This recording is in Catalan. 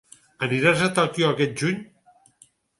Aniràs a Tòquio aquest juny?